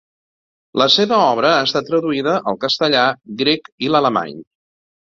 La seva obra ha estat traduïda al castellà, grec i l'alemany.